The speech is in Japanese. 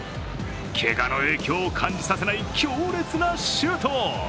けがの影響を感じさせない強烈なシュート。